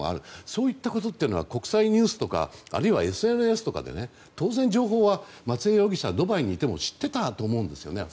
そういったことというのは国際ニュースとかあるいはＳＮＳとかで当然、情報は松江容疑者はドバイにいても知っていたと思うんですよね。